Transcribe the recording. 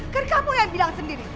kan kamu yang bilang sendiri